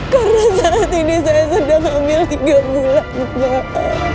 karena saat ini saya sedang hamil tiga bulan mbak